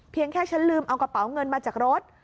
แค่ฉันลืมเอากระเป๋าเงินมาจากรถ